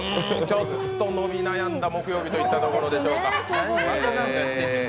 ちょっと伸び悩んだ木曜日といったところでしょうか。